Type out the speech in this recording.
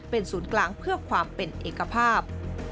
เป็นศูนย์กลางเพื่อความเป็นเอกภาพ